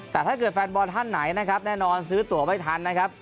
แต่ถ้าเกิดแฟนบอลท่านไหนนะครับแน่นอนซื้อตัวไม่ทันนะครับ